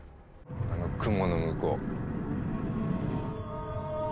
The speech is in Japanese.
あの雲の向こう。